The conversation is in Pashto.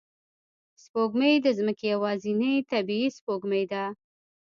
سپوږمۍ د ځمکې یوازینی طبیعي سپوږمکۍ ده